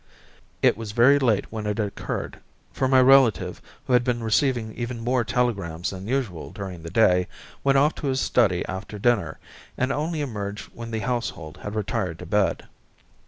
It was very late when it occurred, for my relative, who had been receiving even more telegrams than usual during the day, went off to his study after dinner, and only emerged when the household had retired to bed.